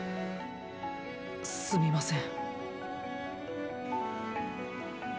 すみません。